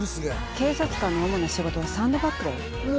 警察官の主な仕事はサンドバッグだよ。